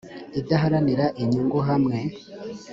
idaharanira inyungu hamwe